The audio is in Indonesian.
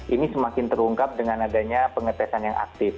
ini semakin terungkap dengan adanya pengetesan yang aktif